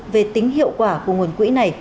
về tính hiệu quả của nguồn quỹ này